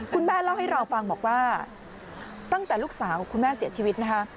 เล่าให้เราฟังบอกว่าตั้งแต่ลูกสาวคุณแม่เสียชีวิตนะคะ